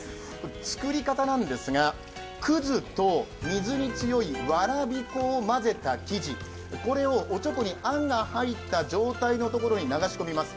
作り方なんですが、葛と水に強いわらび粉を混ぜた生地、これをおちょこにあんが入った状態のところに流し込みます。